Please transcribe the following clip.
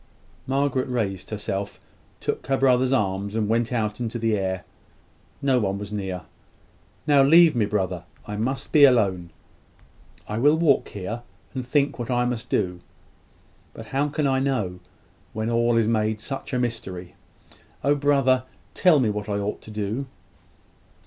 Margaret raised herself; took her brother's arm, and went out into the air. No one was near. "Now leave me, brother. I must be alone. I will walk here, and think what I must do. But how can I know, when all is made such a mystery? Oh, brother, tell me what I ought to do!"